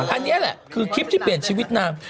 อันนี้แหละคือคลิปที่เปลี่ยนชีวิตนาง